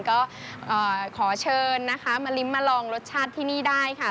ก็ขอเชิญนะคะมาลิ้มมาลองรสชาติที่นี่ได้ค่ะ